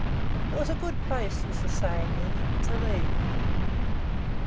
It was a good place, as the saying is, to leave.